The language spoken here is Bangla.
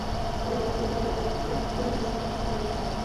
পরের ওভারে শরীর থেকে দূরে খেলে স্লিপে ক্যাচ হলেন এনামুল হক।